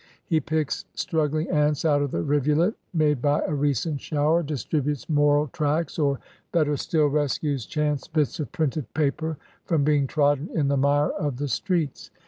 He picks strugghng ants out of the rivulet made by a recent shower, dis tributes moral tracts, or, better still, rescues chance bits of printed paper from being trodden in the mire of the streets.